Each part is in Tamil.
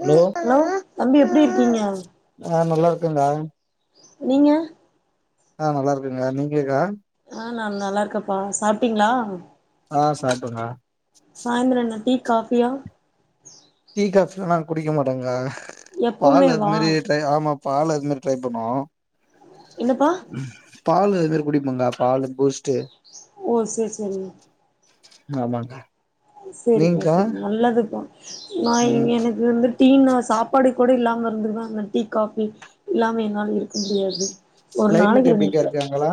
ஹலோ தம்பி எப்டி இருக்கீங்க ஆ நல்லா இருக்கேங்க்கா நீங்க ஆ நல்லா இருக்கேங்கா நீங்க கா ஆ நா நல்லா இருக்கேப்பா சாப்ட்டீங்க்ளா ஆ சாப்டேங்கா சாயந்திரன்ன டி காஃபியா டீ காஃபிலா நா குடிக்க மாட்டேங்கா எப்பவுமே பால் அது வா மாரி எதாய் ஆமா பால் அது மாரி ட்ரை பண்வோ என்னப்பா பால் அது மாரி குடிப்பங்க ஓ செர் செரி ஆமாக்கா செரிப்பா செரி நல்லதுதா நா ம் எனக்கு வந்துட் டீனா சாப்பாடு கூட இல்லாம இருந்துடுவ அந்த டீ காஃபி இல்லாம என்னால் இருக்க முடியாது ஒரு க்ளைமேட் நாளைக்கு எப்டிக்கா ரெண்டு இருக்கு அங்களா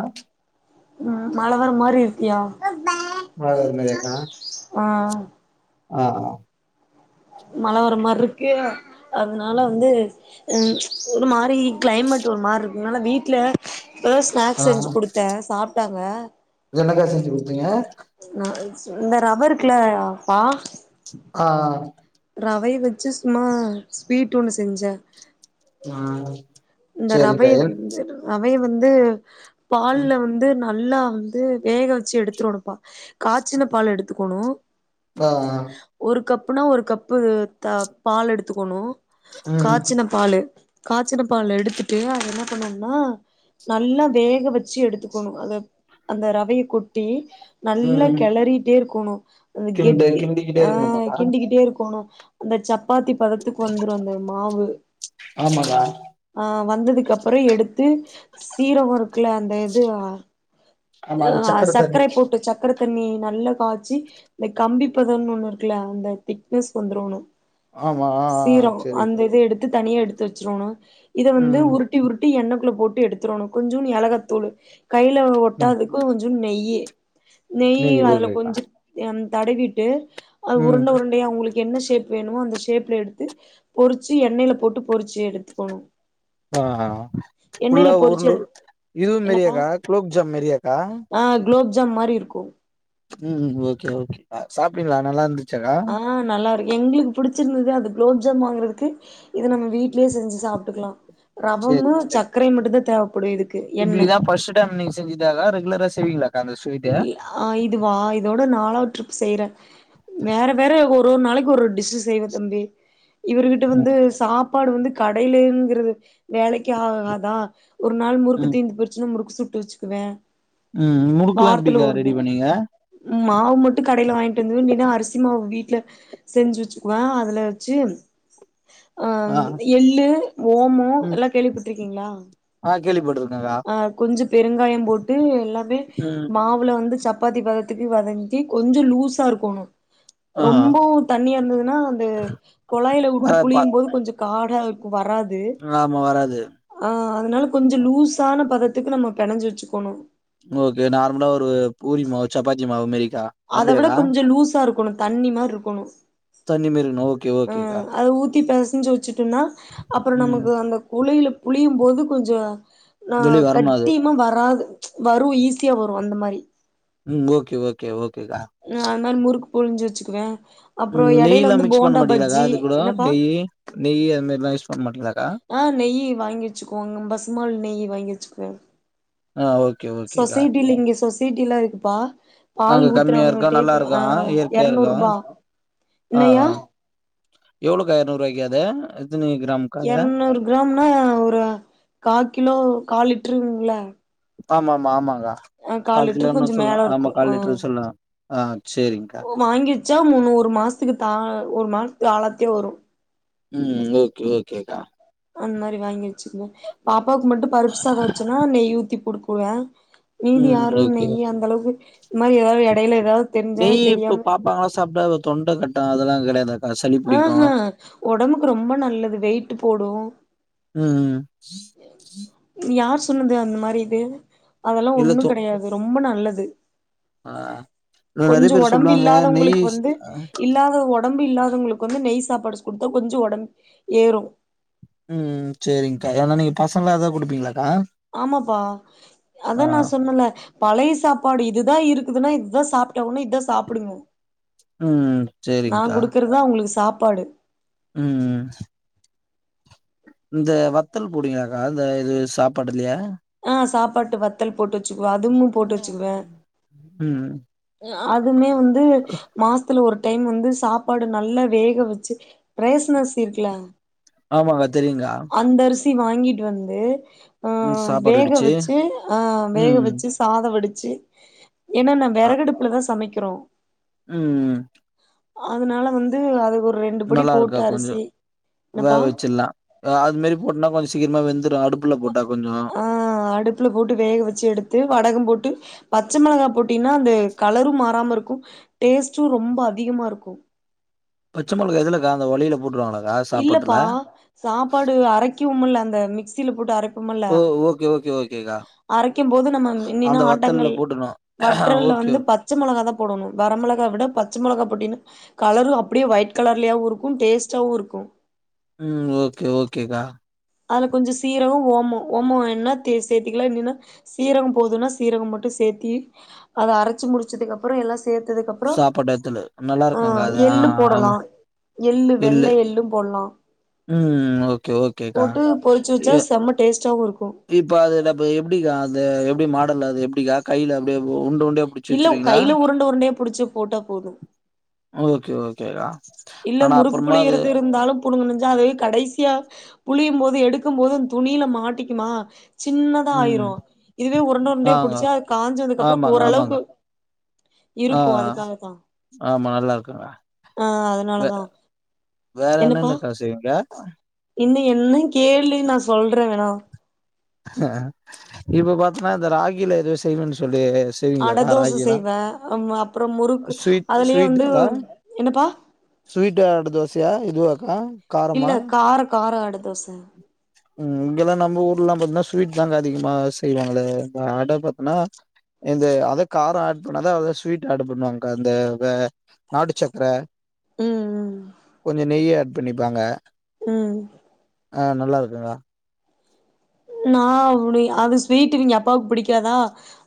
ம் மழ வர மாரி இருக்கியா மழ வர மாரியாகா ஆ அ அ மழ வர மாரிருக்கு அதனால வந்து அ ச்ச் ஒரு மாரி க்ளைமேட் ஒரு மாரிருக் இத்னால வீட்ல இப்பதா ஸ்நாக்ஸ் ஆ செஞ்சு குடுத்தே சாப் ட்டாங்க என்னக்கா செஞ்சு குடுத்தீங்க அ அ இந்த ரவருக்குல பா அ அ ரவைய வெச்சு சும்மா ஸ்வீட் ஒண்ணு செஞ்ச அ இந்த ரவைய [inaudible] வைய வந்து பால்ல ம் வந்து ந நல்லா வந்து வேக வெச்சி எடுத்துரோனேம்ப்பா காச்சின பால் எடுத்துக்கோனோ அ அ அப்பின்னா ஒரு கப்பு த பால் எடுத்துக்கோனோ ம் காச்சின பாலு காச்சின பால்ல எடுத்துட்டு அத என்ன பண்ணோன்னா நல்லா வேக வெச்சி எடுத்துக்கோனா அத அந்த ரவைய கொட்டி நல்லோ ம் கெளறீட்டே இருக் க்கோனோ அந்த கிண்டு கெட்டி கிண்டிக்கிட்டே அ இருக்கணுமாக்கா கிண்டிக்கிட்டே இருக்கோனோ அந்த சப் சப்பாத்தி பதத்துக்கு வந்துரும் அந்த மாவு ஆமாக்கா அ வந்ததுக்கு அப்பறம் எடுத்து சீரகம் இருக்குல அந்த இது அ ஆமா அந்த சக்கர தண்ணி சர்க்கரை போட்டு சர்க்கரை தண்ணி நல்ல காய்ச்சி இந்த கம்பிப்பதன்னு ஒண்ணு இருக்குல அந்த திக்னஸ் வந்துரோன்னு ஆமா ஆ ஆ சேரி த்து தனியே எடுத்து வச்சிருரோணும் இத வந்து ம் உருட்டி உருட்டி எண்ண குள்ள போட்டு எடுத்துரோணும் கொஞ்சோண்டு ஏலகத்தூளு கையில ம் ஒட்டாதுக்கு கொஞ்சம் நெய் [inaudible] நெய் அதுல கொஞ்ச எம் தடவிட்டு அது ம் உருண்ட உருண்டையா உங்களுக் என்ன ஷேப் வேணுமோ அந்த ஷேப்ல எடுத்து பொறிச்சு எண்ணெயில போட்டு பொறிச்சு எடுத்துக்கோணும் ஆ ஆ ஃபுல்ல பொறிச்சு உருண்டூ எடு இதுவும் என்னப்பா மெரியாக்கா குலோப் ஜாம் மெரியாக்கா போ ம் ம் ஓகே ஓகே சாப்டீங்களா நல்லா இருந்து ஆ நல்லா இருக்கு எங்ளுக்கு புடிச்சிருந்துது அது குலோப்ஜாம் வாங்குறதுக்கு இத நம்ம வீட்லேயே செஞ்சு சாப்ட்டுக்கலா ரவமு சக்கரை மட்டுந்தா தேவ இப்டி இதா ஃபர்ஸ்ட் டைம் நீங்கசெஞ்சிதா க்கா ரெகுலரா செய்வீங்களா இ அ இதுவா இதோட நாளாவது ட்ரிப் செய்ற வேற வேற ஒரு ஒரு நாளைக்கு ஒரு டிஸ் செய்வே தம்பி இவர்கிட்ட வந்து ம் சாப் சாப்பாடு வந்து கடையிலங்கிறது வேலைக் கி ஆகாதா ஒரு நாள் முறுக்கு ம் தீந்து போயிருச்சுனா முறுக்கு சுட்டு வச்சுக்குவே ம் முறுக்குலா வாரத்துல எப்டிக்கா ஒரு ரெடி நாள் பண்ணீங்க மாவு மட்டு கடையில வாங்கிட்டு வந்துருவே இல்லைனா அரிசி மாவு வீட்டு வீட்ல செஞ்சு வச்சுக்குவ அதுல வச்சி அ ஆ எள்ளு ஓமம் ம் எல்லா கேள்விப்பட்டுருக்கீங்களா ஆ கேள்விப்பட்ருக்கேக்கா அ கொஞ்சம் பெருங்காயம் போட்டு எல்லாமே ம் மாவுல வந்து சப் சப்பாத்தி பதத்துக்கு வதஞ்சி கொஞ்சம் லூஸா இருக்கோணும் ஆ ரொம்பவு தண்ணியா இருந்ததுன்னா அந்த கொழாய்ல வுட்டு வராது பா புழியும் போது கொஞ்சம் கார்டா வராது ஆமா வராது ஆ னால் கொஞ்சோ லூஸான பதத்துக்கு நம்ம பெனஞ்சு வெச்சுக்கணு ஓகே நார்மலா ஒரு பூரிமாவு சப்பாத்தி மாவு மாரிக்கா அத விட அப்டியாக்கா கொஞ்சோ லூஸா இருக்கோணு தண்ணி மாரி இருக்கோணு தண்ணி மாரி இருக்கணு ஓகே ஓகேக்கா ம் அத ஊத்தி பெச ஞ்ச்சு வச்சு ட்டுனா அப்புறோ ம் நமக்கு அந்த குழியில புழியும் போது கொஞ்சோ ஆ வெளிய வரணு அது கட்டியிம்மா வராது வரு ஈஸியா வரு அந்த மாரி ம் ஓகே ஓகே ஓக் ஆ அந்த் மாரி முறுக் புழிஞ்சு வெச்சுக்குவே அ அப்புறோ ம் எடையில நெய்லா வந்து மிக்ஸ் பண்ண போண்டா மாட்டீங்களாக்கா பஜ்ஜி அது கூட என்னப்பா நெய்யி நெய் அது மாரிலா யூஸ் பண்ண மாட்டீங்களாக்கா ஆ நெய் வாங்கி வெச்சுக்கோங்க பசுமாள் நெய் வாங்கி வெச்சு த ஆ ஓகே ஓகேக்கா சொசைட்டில இங்கே சொசைட் டிட்டில்லா இருக்குப்பா பால் அங்க ஊத் கம்மியா இருக்கா நல்லா இருக்காங்க இயற்கையாருக்கா அ என்னய்யா அ எவ்ளோக்கா எரநூறு ரூபாய்க்கி த அத் எரநூறு கிராம்னா ஒரு காகிலோ கால் லிட் ட்றுங்ளா ஆமா ஆமா ஆமாங் க காக் லிட்டரு கிலோன்னு கொஞ்சோ சொல்வே ஆமா கால்லிட்ரு சொன்ன அ ஒ வாங்கி வெச்சா முன்னோரு மாஸ்த்துக்கு தா ஒரு மாஸ்த் ஆலது த்தே வரு ம் ஓகே ஓகேக்கா அந்த மாரி வாங்கி வெச்சுக்குங்க பாப் பாவுக்கு மட்டு பருப்பு சாதோ வெச்சன்னா நெய் ஊத்தி குடுக் குவோ மீதி ம் யாரு ஓகே நெய் அந்தளவுக்கு இந் மாரி எதாவது எடையில எதாவது தெரிஞ்சா அது நெய் தெரியாம டா அதெல்லா கடையாதாக் அஹ்ஹ ஒடம்புக்கு ரொம்ப நல்லது வெயிட்டு போடு ம் சொன்னுது அந்த மாரி இது அதெல்லா இல்ல ஒண்ணு தொ கெடையாது ரொம் ப நல்லது ஆ நெறைய கொஞ்சோ பேர் ஒடம்பு சொல்லுவாங்க நெய் இல்லாதவங்களுக்கு ஸ் வந்து ஆ இல்லாத ஒடம்பு இல்லா வந்து உங்களுக்கு வந்து நெய் சாப்பாடு கொடுத்தா கொஞ்சோ ஒடம் ஏறு ம் ம் செரிங்கா ஏனா நீங்க பசங்க்ளா அதா குடுப்பீங்களா ஆமாப்பா அதா ஆ நா சொன்னல பழைய சாப்பாடு இதுதா இருக்குதுனா இத்தா சாப்ட்டாகுனு இத்தா சாப்புடுனு ம் நா சேரிங்க்கா குடுக்கறதா அவங்களுக்கு சாப் பாடு ம் இந்த வத்தல் போடுவீங்களா அக்கா இந்த இது சாப்பாட்டுலேயே ஆ சாப்பாட்டு வத்தல் போட்டு வெச்சுக்குவே அதுவுமே போட்டு வெச்சுக்குவே ம் அதுமே வந்து ம மாசத்துல ஒரு டைம் வந்து சாப்பாடு நல்லா வேக வெச்சு ரேஷன் அரிசி இருக்குல ஆமாங்க்கா தெரியுங்க்கா தி வாங்கிட்டு வந்து ஆ ம் சாப்பாடு வேக வடிச்சு வெச்சு ஆ வேக ம் வெச்சு சாத வடிச் சு ஏனா நா அ வெறகடுப்புல தா சமைக் குறோ ம் ம் அதுனால வந்து அது ஒ நல்லா இருக்கோ கொஞ்சொ வேக என்னப்பா வெச்சிட்லா ஆ அது மாரி போட்டோனா கொஞ்சொ ச் சீக்ரமா வெந்து ஆ அடுப்புல போட்டு வேக வெச்சு எடுத்து வடகம் போட் டு பச்ச மெளகாய் போட்டீனா அந்த கலரு மாறாம இருக்கு டேஸ்ட்டு ரொம்ப அதிகமா இருக்கு பச்ச மெளகா எதுலக்கா அந்த வழியில போட்டுறாங்களே இல்லப்பா சாப்பாடு அரைக்குவோமுல்ல அந்த மிக்சில போட்டு அரை ஓ ஓகே ஓகே ஓ அரைக்கும் போது நம்ம முன்னின ஆட்டங்கள் வத்தல்ல போட்றணு வற்றல்ல ஓகே வந்து பச்ச மெள [unintelligible] தா போடணும் வரமிளகா விட பச்ச மொளகா போட்டினா கலரும் அப்டே ஒயிட் கலர்லியாவுருக்கு டேஸ்டாவு இருக்கு ம் ஓகே ஓகேகா அத்ல கொஞ்சொ சீரொவ் ஓம்மொ ஓம்மொ என்ன தே சேத்திக்கிலா என்னென்னா சீரவும் போதுனா சீரக மட்டு சேத்தி அத அரச்சி முடிச்சதுக் அப்பறொ எல்லாஸ் தேத்ததுக் அப்றொ சாப்பாட்டு எடத்துல நல்லா ஆ இருக்குங்க்கா அது ஆ எள்ளு ஆமா போடலா எள்ளு வெள்ள இல்லு எள்ளு போட்லா ம் ஒ கே ஓகேகா போட்டு பொறிச்சு வச்சா ய செம்ம டேஸ்ட்டாவு இருக்கு இப்ப அது நப்பு எப்டிக்கா அந்த எப் மாடலாது எப்டிகா கைல அப்டே இல்ல உ கைல உருண்ட உருண்டயா புடுச்சு போட்டா போது ஓகே ஓகேகா இல்ல முறுக்கு புளியற்து இருந்தாலு புடுங்குனுஞ்சாது கடைசியா புளியும்போது எடுக்கும்போது அந் துணில மாட்டிக்கிமா சின்னதா ம் ஆயிரும் இதுவே உருண்ட உருண்டயா ஆங்க புடுச்சா அது காஞ்சதுக் அப்றப் ஆமாங்க ஆமாங்க ஓரளவுக்கு ஆ இருக்கு அதுக்காகத்தா ஆ வெ அதனாலதா வேற என்னப்பா என்னென்னக்கா செய்விங்க இன்னு என்ன கேளு நா சொல்றே வேணா இப்ப பாத்தனா இந்த ராகில எதோ செய்வன்னு சொன் தே செய்வீங்ளா அட தோச ராகி எல்லா செய்வே அம் அப்புறோ முறுக்கு ஸ்வீட் அதுலயே ஸ்வீட் வந்து அதா என்னப்பா ஸ்வீட் அட தோஸ்யா இதுவாக் ஆஹ் இல்ல காரமா கார கார ஆட தோச ம் ம் இங்கெலா நம்ம ஊர்ல்லாம் பத்னாஸ் ஸ்வீட் தாங்க அதிகமா செய்வாங்ளே த அட பத்னா இந்த அத காரொ ஆட் பண்ணாதான் அத ஸ்வீட் ஆட் பண்ணுவாங்க்கா அந்த வ நாட்டு சக்ர ம் கொஞ்ச நெய்யத் பிண்ணிப்பாங்க ம் அ நல்லாரு [unintelligible] நா உடி அது ஸ்வீட்டிவிங்க அப்பாவுக் புடிக்காதா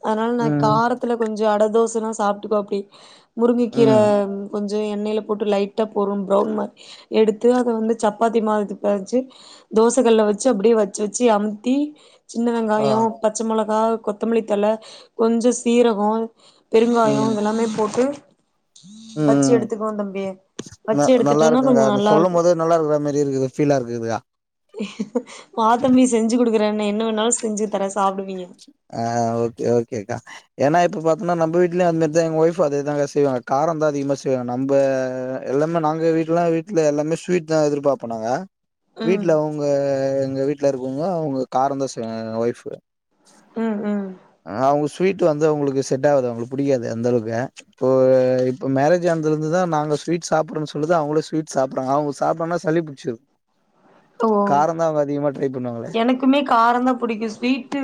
அத்னால நா ம் காரத்ல கொஞ்சொ அட தோஸ் துனா சாப்ட்டுக்கோ அப்டி முருங்குக்கீர ம் கொஞ் ஜோ எண்ணைல போட்டு லைட்டா பொரும் ப்ரவுன் மாய் எடுத்து அத வந்து சப்பாத்தி மாதுது பெதச்சி தோசகல்ல வச்சு அப்டே வச்சு வச்சு அம் தீ சின்ன ஆ வெங்காயோ பச்ச மொளக் ஹாவ் கொத்தம்லி தல கொஞ்ச சீரகொ பெருங்காயொ இதெல்லாமே போட்டு வச்சு ம்ம்ம் எடுத்துக்குவோ தம்பி ந வச்சு எடுத்துட்டோனா நல்லாருக்குங்கா கொஞ்சோ நீ நல்லா இருக்கு சொல்லும்போதே நல்லாருக்குற மேரி இருக்குது ஃபீலா இருக்துக்கா வா தம்பி செஞ்சு கு குடுக்குற என்ன என்ன வேன்னாலும் செஞ்சு தரன் ஆ ஓக்கே ஓக்கேக்கா ஏன்னா இப்ப பா அனா நம் வீட்லயும் அதுமாரி தா எங்க ஒயிஃப் அதேதாங்க செய்வாங்க காரோ தா அதிகமா செய்வாங்க நம்ப எல்லாமே நாங்க வீட்லல்லா வீட்ல எல்லாமே ஸ்வீட் தா எதிர்பாப்போம் நாங்க ம் வீட்ல உங்க எங்க வீட்ல இருக்கவங்க அவுங்க காரோந்தா செய்வாங்க எங்க ஒயிஃப்பு ம் ம் ஆ ஆ அவுங்க ஸ்வீட் வந்து அவுங்களுக்கு செட் ஆவாது அவுங்களுக்கு பிடிக்காது அந்தளவுக்கு இப்போ இப்போ மேரேஜ் ஆன தலந்துதா நாங்க ஸ்வீட் சாப்புறோன்னு சொல்லுது அவங்களு ஸ்வீட் சாப்புட்றாங்க அவங்க சாப்டங்கன்னா சளி புடி ஓ அதிகமா ட்ரை பண்ணுவாங்களே எனக்குமே காரோ தா புடிக்கும் ஸ்வீட்டு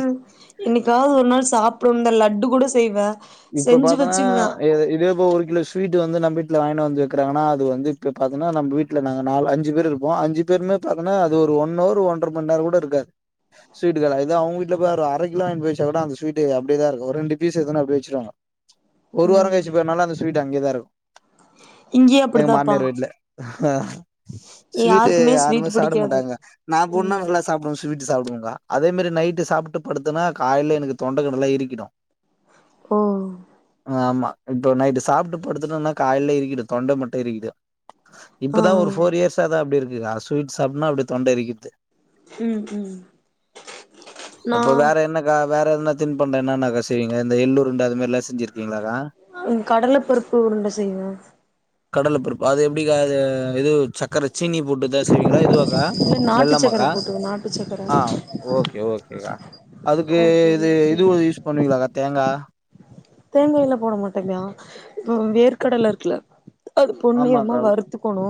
என்னிக்காவது ஒ ன்னா சாப்டும் இந்த லட்டு கூட செய்வ இப்போ பாத்தன்னா இத இதே இப்ப ஒரு கிலோ ஸ்வீட் வந்து நம்பி ட்ல வாயிண்னு வந்து வெக்குறாங்கனா அது வந்து இப்ப பாத்தனா நம்ப வீட்ல நாங்க நாலு அஞ்சு பேரு இருப்போம் அஞ்சி பேருமே பாத்தோன்னா அது ஒரு ஒன் ஹவர் ஒன்றரை மணி நேரம் கூட இருக்காது ஸ்வீட் இருக்காது அ இத்தா அவுங்க வீட்ல பாரு அரகிலோ வாயிண் போயி வச்சா கூட அந்த ஸ்வீட்டு அப்டியே தான் இருக்கும் ரெண்டு பீஸ் எத்துன்னு அப்டியே வெச்சிருவாங்க ஒரு வாரோ கழிச்சு பார் நல்லா இருந்துச்சு ஸ்வீட் அங்கயேதாருக்கும் இங்கியும் அப்புடிதாப்பா ஹா ஹா ஸ்வீட்டு யாருமே ஸ்வீட் சாப்ட பிடிக்காது மாட்டாங்க நான் போனா ம் நல்லா சாப்டுவேன் ஸ்வீட்டு சாப்டுவன்க்கா அதேமாரி நைட்டு சாப்ட்டு படுத்தன்னா காயில்ல எனக்கு தொண்ட கிண்டல்லா இருக்கிடும் ஓ இப்போ நைட்டு் சாப்ட்டு படுத்தட்டோன்னா காயில்ல இருக்கிடும் தொண்ட மட்டும் இருக்கிடும் ஆ இப்பதா ஒரு ஃபோர் இயர்ஸா தா அப்டி இருக் இதுதா ஸ்வீட் சாப்ட்னா அப்புடே தொண்ட இருகிட்து ம் ம் நா இப்ப வேற என்னக்கா வேற எதுன்னா தின் பன்டோ என்னென்னக்கா செய்வீங்க இந்த எள்ளுருண்ட அது மாரிலா செஞ்சிருக்கிங்களா ம் கடல பருப்பு உருண்ட செய்வ கடல பருப்பு அது எப்டி கா அது இது சக்கர சீனி போட்டுதா ஸ் செய்வீங்களா இதுவாக்கா இல்ல நாட்டு சக்கர வெள்ளமாக்கா போட்டுவே நாட்டு சக்கர ஆ ஓகே ஓகேக்கா அதுக்கு அது இது போல இது செய்வே ஒரு யூஸ் பண்ணுவீங்களா டா தேங்காயிலா போட மாட்டேங்கா ம் வேர்க்கடல இருக்குல அது பொண் நிறமா வருத்துக்கணு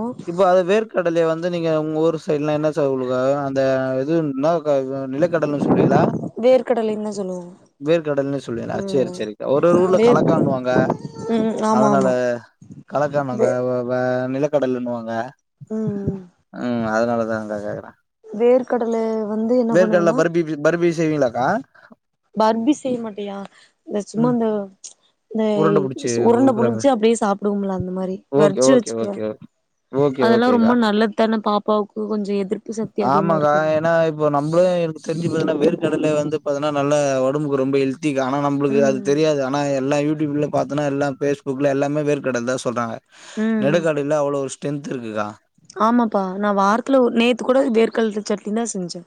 ல்லே வந்து நீங்க உங்க ஊரு சைட்லா [unintelligible] அந்த இதுன்னா அ வ நிலக்கடலன் சொல்வீங்களா வேர்க்கடலைன்னு தா சொல்லுவோ வேர்கடல்னே சொல்வீங்ளா சேரி ம் சேரிக்கா ஒரு ஒரு ஊர்ல வேர் கலக்கான்னுவாங்க ம் ஆமா அதனால ஆமா கலக் அந்த வே வ வ ஆ நிலக்கடலைன்னுவாங்க ம் ஆ அதனாலதாங்கா கேக்கற வேர்க்கடல வந்து என்ன வேர்க்கடல பண்ணுவனா பர்பி பி பர்பி செய்விங்ளாக்கா பர்பி செய்ய மாட்டியா இந்த சும்மா ம் அந்த இந்த உருண்ட புடிச்சு உரண்ட உருக்குற புடிச்சு மாரி அப்படியே சாப்பிடுவோம்ல அந்த மாரி ஓகே வரிச்சு ஓகே வெச்சுக்குவ ஓகே ஓகே அதெல்லா ஓகேக்கா ரொம்ப நல்லதான பாப்பாக்கு கொஞ்ச எதிர்ப்பு சக்தி அதிகமா ஆமாக்கா இருக்குல கடல வந்து பாத்தனா நல்ல ஒடம்புக்கு ரொம்ப ஹெல் க்கா ஆனா நம்புளுக்கு அது ம் தெரியாது ஆனா எல்லா யூ டி யுப்லா பாத்தனா எல்லா ஃபேஸ்புக்ல எல்லாமே வேர்க்கடலதா சொ ல்றாங்க ம் நெடக்கடலல அவ்ளோ டென்த்ருக்குக்கா ஆமாப்பா நா வாரத்துல ஒரு நேத்துக் கூட வேர்க்கல்ல சட்னி தா செஞ்ச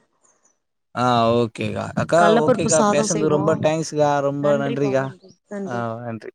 ஆ ஓகேக்கா அக்கா ஓகேக்கா சாதோ பேசன்து செய்வோ ரொம்ப டைங்க்ஸுகா ரொம்ப நன்றிப்பா நன்றிக்கா நன்றி நன்றி ஆ நன்றி